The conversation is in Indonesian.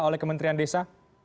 kepala kementerian desa